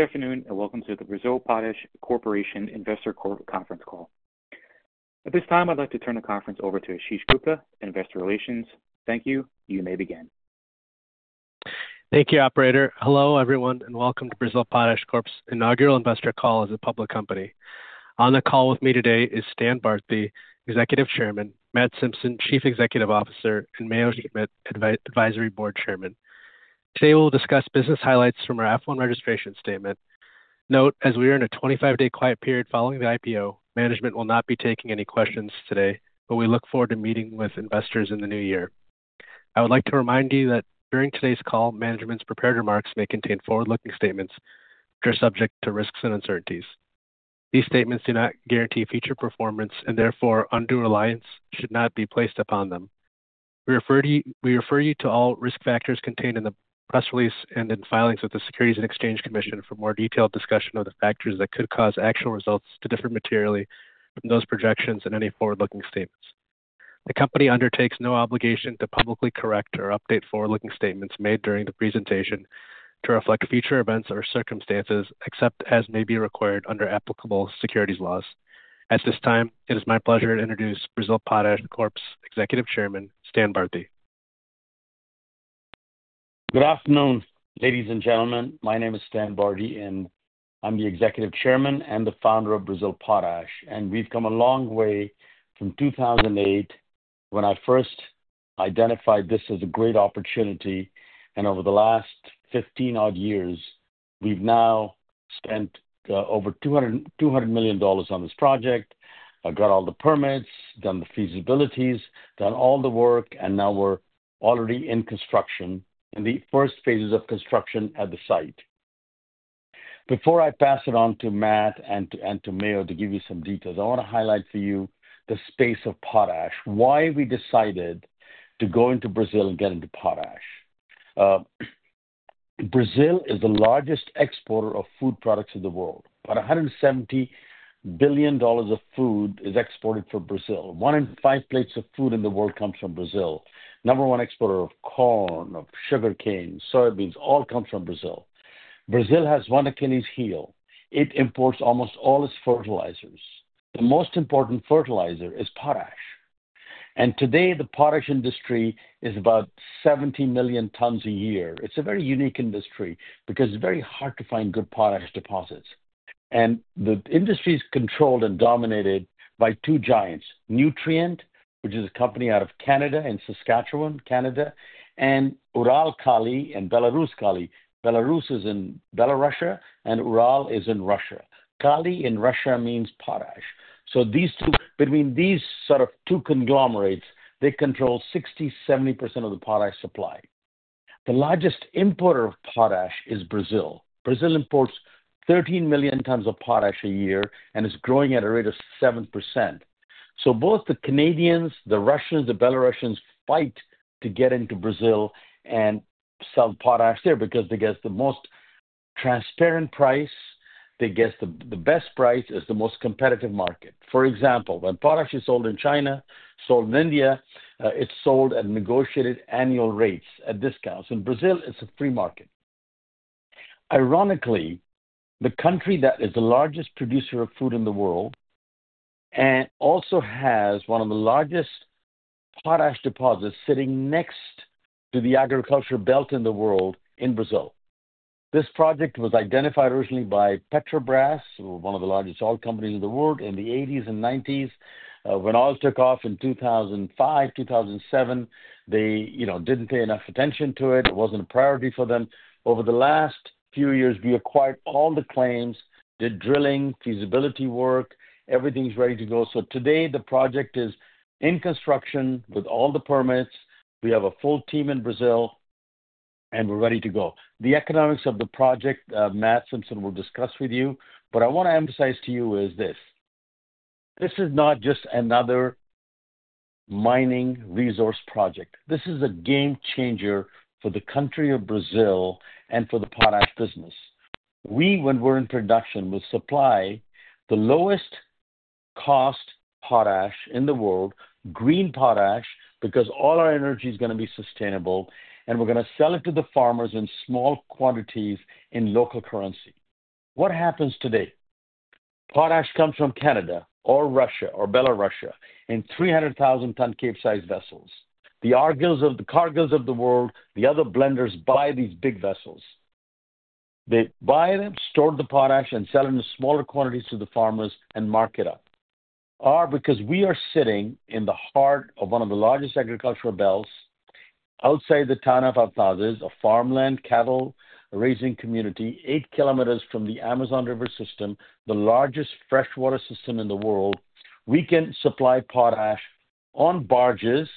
Good afternoon and welcome to the Brazil Potash Corp investor conference call. At this time, I'd like to turn the conference over to Ashish Gupta, Investor Relations. Thank you. You may begin. Thank you, Operator. Hello, everyone, and welcome to Brazil Potash Corp's inaugural investor call as a public company. On the call with me today is Stan Bharti, Executive Chairman, Matt Simpson, Chief Executive Officer, and Mayo Schmidt, Advisory Board Chairman. Today, we'll discuss business highlights from our F-1 Registration Statement. Note, as we are in a 25-day Quiet Period following the IPO, management will not be taking any questions today, but we look forward to meeting with investors in the new year. I would like to remind you that during today's call, management's prepared remarks may contain forward-looking statements which are subject to risks and uncertainties. These statements do not guarantee future performance and therefore undue reliance should not be placed upon them. We refer you to all risk factors contained in the press release and in filings with the Securities and Exchange Commission for more detailed discussion of the factors that could cause actual results to differ materially from those projections and any forward-looking statements. The company undertakes no obligation to publicly correct or update forward-looking statements made during the presentation to reflect future events or circumstances except as may be required under applicable securities laws. At this time, it is my pleasure to introduce Brazil Potash Corp's Executive Chairman, Stan Bharti. Good afternoon, ladies and gentlemen. My name is Stan Bharti, and I'm the Executive Chairman and the founder of Brazil Potash. We've come a long way from 2008 when I first identified this as a great opportunity. Over the last 15-odd years, we've now spent over $200 million on this project. I've got all the permits, done the feasibilities, done all the work, and now we're already in construction, in the first phases of construction at the site. Before I pass it on to Matt and to Mayo to give you some details, I want to highlight for you the space of potash, why we decided to go into Brazil and get into potash. Brazil is the largest exporter of food products in the world. About $170 billion of food is exported from Brazil. One in five plates of food in the world comes from Brazil. Number one exporter of corn, of sugarcane, soybeans, all comes from Brazil. Brazil has one Achilles' heel. It imports almost all its fertilizers. The most important fertilizer is potash. And today, the potash industry is about 70 million tons a year. It's a very unique industry because it's very hard to find good potash deposits. And the industry is controlled and dominated by two giants: Nutrien, which is a company out of Canada and Saskatchewan, Canada, and Uralkali, and Belaruskali. Belarus is in Byelorussia, and Ural is in Russia. Kali in Russia means potash. So between these sort of two conglomerates, they control 60%-70% of the potash supply. The largest importer of potash is Brazil. Brazil imports 13 million tons of potash a year and is growing at a rate of 7%. So both the Canadians, the Russians, the Byelorussians fight to get into Brazil and sell potash there because they get the most transparent price. They get the best price as the most competitive market. For example, when potash is sold in China, sold in India, it's sold at negotiated annual rates, at discounts. In Brazil, it's a free market. Ironically, the country that is the largest producer of food in the world and also has one of the largest potash deposits sitting next to the agriculture belt in the world in Brazil. This project was identified originally by Petrobras, one of the largest oil companies in the world, in the 1980s and 1990s. When oils took off in 2005, 2007, they didn't pay enough attention to it. It wasn't a priority for them. Over the last few years, we acquired all the claims, did drilling, feasibility work. Everything's ready to go. So today, the project is in construction with all the permits. We have a full team in Brazil, and we're ready to go. The economics of the project, Matt Simpson, will discuss with you. But I want to emphasize to you is this: this is not just another mining resource project. This is a game changer for the country of Brazil and for the potash business. We, when we're in production, will supply the lowest-cost potash in the world, green potash, because all our energy is going to be sustainable, and we're going to sell it to the farmers in small quantities in local currency. What happens today? Potash comes from Canada or Russia or Byelorussia in 300,000-ton Capesize vessels. The Cargill of the world, the other blenders, buy these big vessels. They buy them, store the potash, and sell it in smaller quantities to the farmers and mark it up. Because we are sitting in the heart of one of the largest agricultural belts outside the town of Autazes, a farmland, cattle-raising community eight kilometers from the Amazon River system, the largest freshwater system in the world, we can supply potash on barges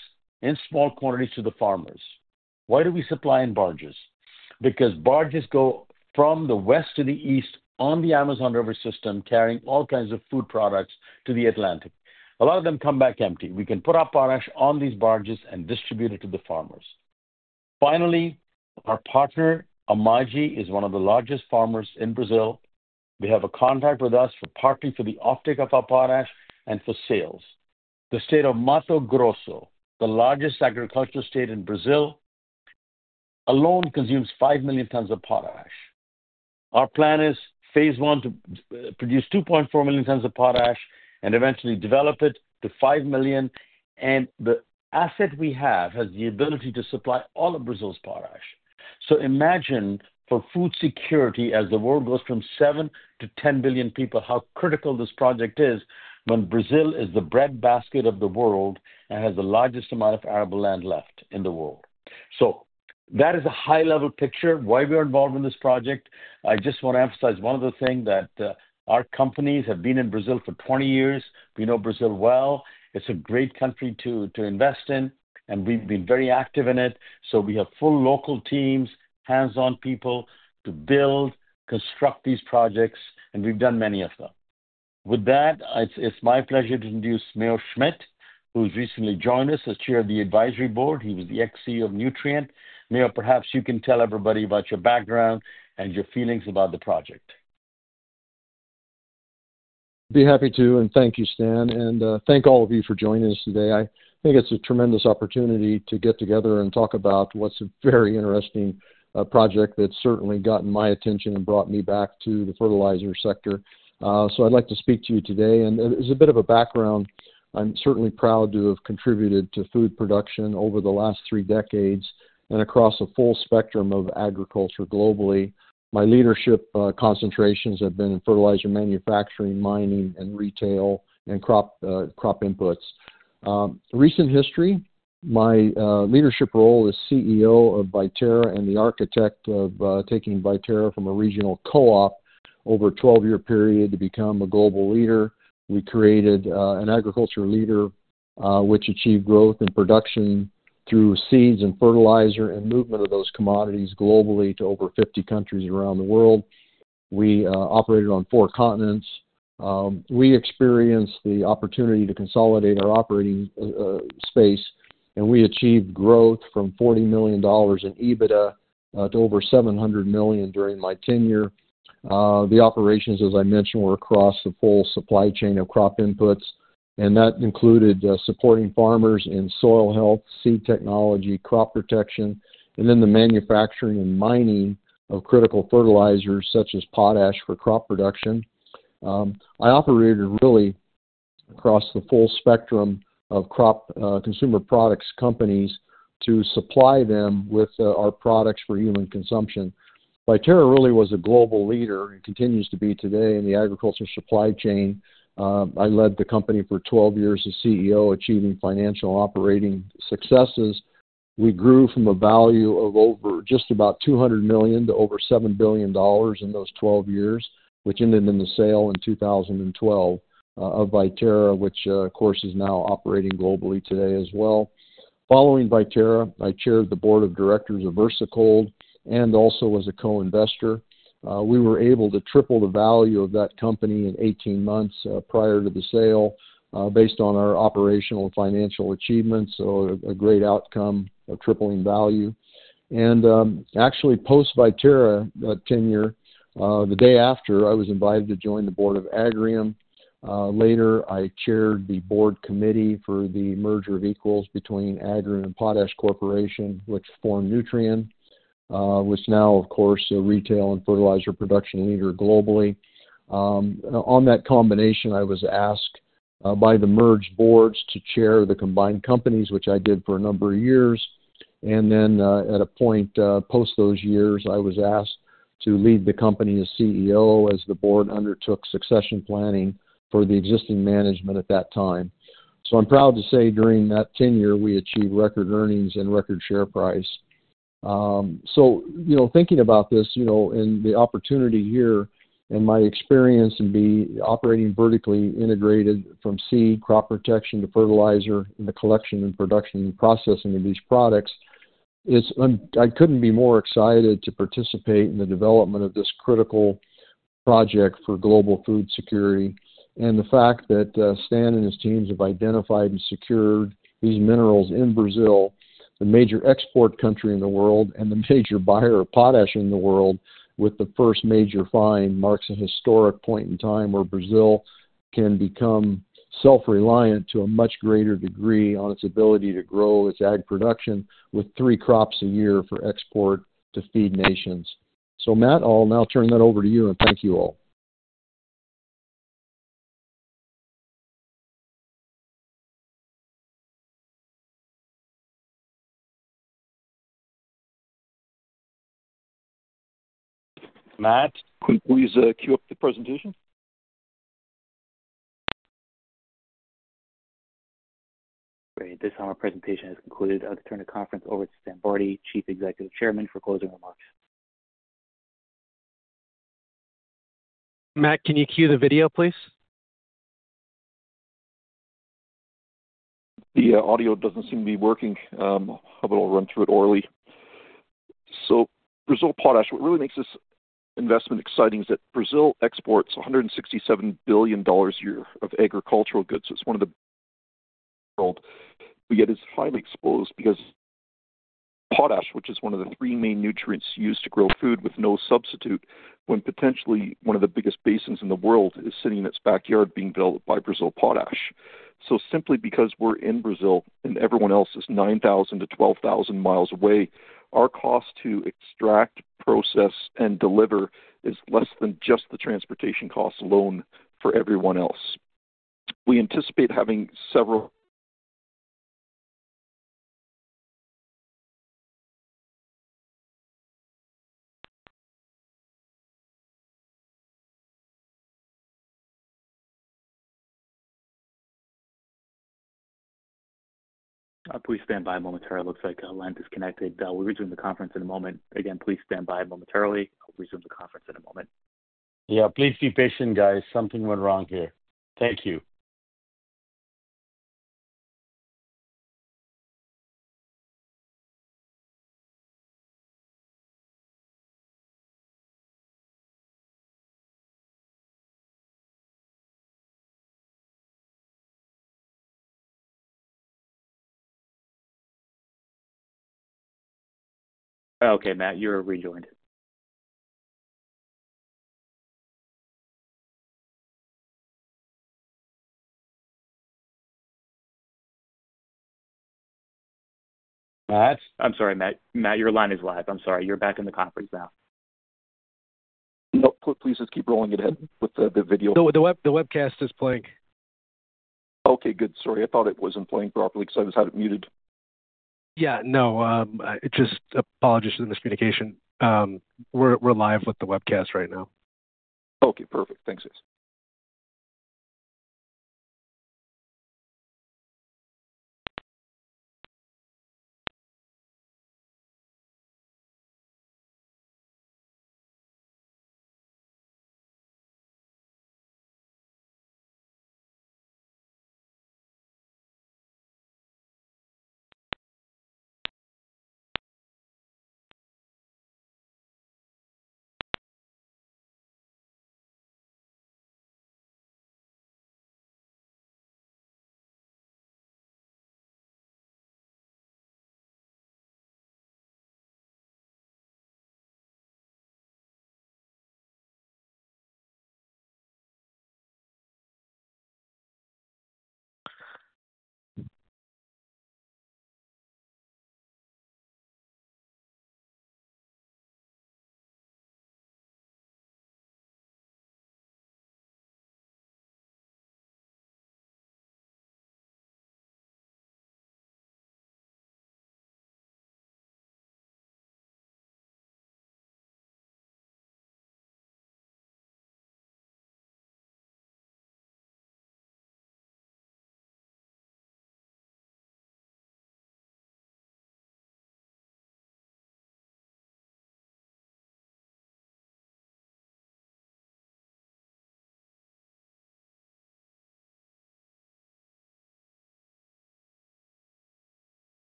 in small quantities to the farmers. Why do we supply in barges? Because barges go from the west to the east on the Amazon River system, carrying all kinds of food products to the Atlantic. A lot of them come back empty. We can put our potash on these barges and distribute it to the farmers. Finally, our partner, Amaggi, is one of the largest farmers in Brazil. They have a contract with us partly for the offtake of our potash and for sales. The state of Mato Grosso, the largest agricultural state in Brazil, alone consumes five million tons of potash. Our plan is phase one to produce 2.4 million tons of potash and eventually develop it to five million, and the asset we have has the ability to supply all of Brazil's potash, so imagine, for food security, as the world goes from seven to 10 billion people, how critical this project is when Brazil is the breadbasket of the world and has the largest amount of arable land left in the world, so that is a high-level picture. Why we are involved in this project? I just want to emphasize one other thing: our companies have been in Brazil for 20 years. We know Brazil well. It's a great country to invest in, and we've been very active in it. So we have full local teams, hands-on people to build, construct these projects, and we've done many of them. With that, it's my pleasure to introduce Mayo Schmidt, who's recently joined us as Chair of the Advisory Board. He was the ex-CEO of Nutrien. Mayo, perhaps you can tell everybody about your background and your feelings about the project. I'd be happy to. And thank you, Stan. And thank all of you for joining us today. I think it's a tremendous opportunity to get together and talk about what's a very interesting project that's certainly gotten my attention and brought me back to the fertilizer sector. So I'd like to speak to you today. And as a bit of a background, I'm certainly proud to have contributed to food production over the last three decades and across a full spectrum of agriculture globally. My leadership concentrations have been in fertilizer manufacturing, mining, and retail and crop inputs. Recent history: my leadership role as CEO of Viterra and the architect of taking Viterra from a regional co-op over a 12-year period to become a global leader. We created an agriculture leader which achieved growth in production through seeds and fertilizer and movement of those commodities globally to over 50 countries around the world. We operated on four continents. We experienced the opportunity to consolidate our operating space, and we achieved growth from $40 million in EBITDA to over $700 million during my tenure. The operations, as I mentioned, were across the full supply chain of crop inputs, and that included supporting farmers in soil health, seed technology, crop protection, and then the manufacturing and mining of critical fertilizers such as potash for crop production. I operated really across the full spectrum of crop consumer products companies to supply them with our products for human consumption. Viterra really was a global leader and continues to be today in the agriculture supply chain. I led the company for 12 years as CEO, achieving financial operating successes. We grew from a value of just about $200 million to over $7 billion in those 12 years, which ended in the sale in 2012 of Viterra, which, of course, is now operating globally today as well. Following Viterra, I chaired the Board of Directors of VersaCold and also was a co-investor. We were able to triple the value of that company in 18 months prior to the sale based on our operational and financial achievements, so a great outcome of tripling value. Actually, post-Viterra tenure, the day after, I was invited to join the board of Agrium. Later, I chaired the board committee for the merger of equals between Agrium and Potash Corporation, which formed Nutrien, which now, of course, is a retail and fertilizer production leader globally. On that combination, I was asked by the merged boards to chair the combined companies, which I did for a number of years. And then, at a point post those years, I was asked to lead the company as CEO as the board undertook succession planning for the existing management at that time. So I'm proud to say during that tenure, we achieved record earnings and record share price. So thinking about this and the opportunity here and my experience in operating vertically integrated from seed, crop protection to fertilizer, and the collection and production and processing of these products, I couldn't be more excited to participate in the development of this critical project for global food security. And the fact that Stan and his teams have identified and secured these minerals in Brazil, the major export country in the world, and the major buyer of potash in the world, with the first major find, marks a historic point in time where Brazil can become self-reliant to a much greater degree on its ability to grow its ag production with three crops a year for export to feed nations. So Matt, I'll now turn that over to you, and thank you all. Matt, quick, please queue up the presentation. Great. This time our presentation has concluded. I'll turn the conference over to Stan Bharti, Chief Executive Chairman, for closing remarks. Matt, can you cue the video, please? The audio doesn't seem to be working. I'll run through it orally. So Brazil Potash, what really makes this investment exciting is that Brazil exports $167 billion a year of agricultural goods. It's one of the world, yet is highly exposed because potash, which is one of the three main nutrients used to grow food with no substitute, when potentially one of the biggest basins in the world is sitting in its backyard being developed by Brazil Potash. So simply because we're in Brazil and everyone else is 9,000-12,000 miles away, our cost to extract, process, and deliver is less than just the transportation cost alone for everyone else. We anticipate having several. Please stand by momentarily. Looks like a line disconnected. We'll resume the conference in a moment. Again, please stand by momentarily. We'll resume the conference in a moment. Yeah. Please be patient, guys. Something went wrong here. Thank you. Okay, Matt. You're rejoined. Matt? I'm sorry, Matt. Matt, your line is lagged. I'm sorry. You're back in the conference now. Nope. Please just keep rolling ahead with the video. The webcast is playing. Okay. Good. Sorry. I thought it wasn't playing properly because I was having it muted. Yeah. No. Just apologies for the miscommunication. We're live with the webcast right now. Okay. Perfect. Thanks, guys.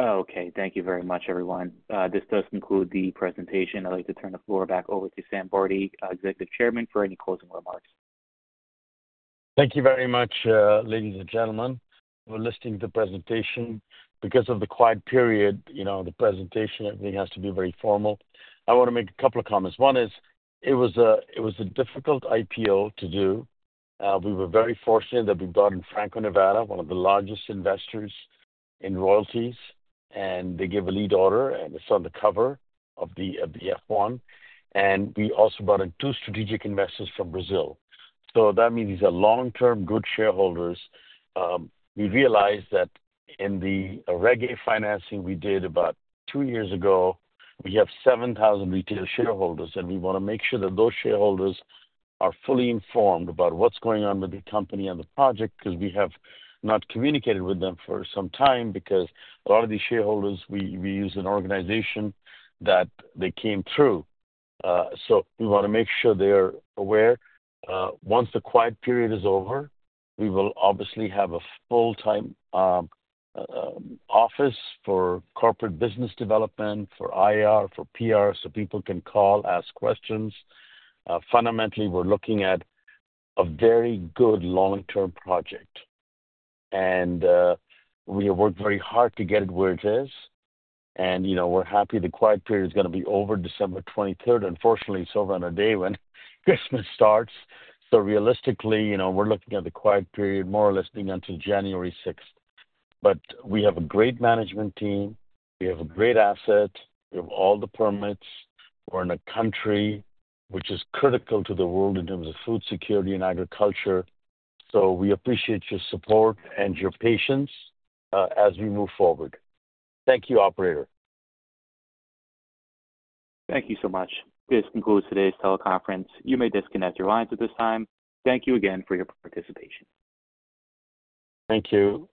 Okay, thank you very much, everyone. This does conclude the presentation. I'd like to turn the floor back over to Stan Bharti, Executive Chairman, for any closing remarks. Thank you very much, ladies and gentlemen. We're listening to the presentation. Because of the quiet period, you know, the presentation, everything has to be very formal. I want to make a couple of comments. One is, it was a difficult IPO to do. We were very fortunate that we bought in Franco-Nevada, one of the largest investors in royalties, and they gave a lead order, and it's on the cover of the F-1. And we also brought in two strategic investors from Brazil. So that means these are long-term good shareholders. We realized that in the Reg A financing we did about two years ago, we have 7,000 retail shareholders, and we want to make sure that those shareholders are fully informed about what's going on with the company and the project because we have not communicated with them for some time because a lot of these shareholders, we use an organization that they came through. So we want to make sure they're aware. Once the quiet period is over, we will obviously have a full-time office for corporate business development, for IR, for PR, so people can call, ask questions. Fundamentally, we're looking at a very good long-term project. And we have worked very hard to get it where it is. And we're happy the quiet period is going to be over December 23rd. Unfortunately, it's over on a day when Christmas starts. So realistically, we're looking at the quiet period more or less being until January 6th. But we have a great management team. We have a great asset. We have all the permits. We're in a country which is critical to the world in terms of food security and agriculture. So we appreciate your support and your patience as we move forward. Thank you, Operator. Thank you so much. This concludes today's teleconference. You may disconnect your lines at this time. Thank you again for your participation. Thank you.